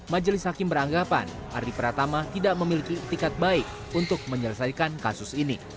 majelis hakim beranggapan ardi pratama tidak memiliki etikat baik untuk menyelesaikan kasus ini